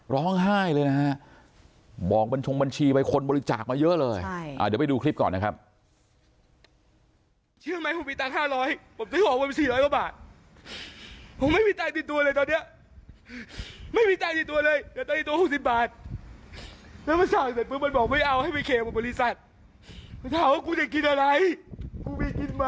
ร้องไห้เลยนะฮะบอกบัญชงบัญชีไปคนบริจาคมาเยอะเลยเดี๋ยวไปดูคลิปก่อนนะครับ